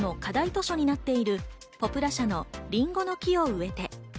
図書になっているポプラ社の『りんごの木を植えて』。